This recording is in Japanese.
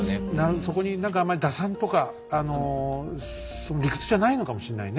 そこに何かあんまり打算とかその理屈じゃないのかもしんないね。